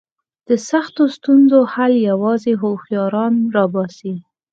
د سختو ستونزو حل یوازې هوښیاران را باسي.